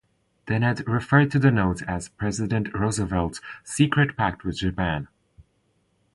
Dennett referred to the notes as "President Roosevelt's Secret Pact With Japan".